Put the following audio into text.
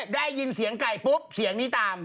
ได้ยินเสียงไก่ปุ๊บเสียงนี้ตาม